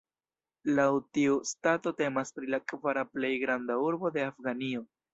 Laŭ tiu stato temas pri la kvara plej granda urbo de Afganio.